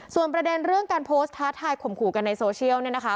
ส่วนประเด็นเรื่องการโพสต์ท้าทายข่มขู่กันในโซเชียลเนี่ยนะคะ